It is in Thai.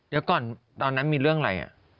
เดี๋ยวก่อนตอนนั้นมีเรื่องอะไร